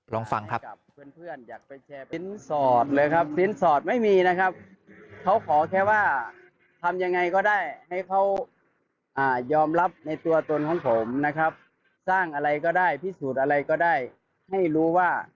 ลองฟังครับ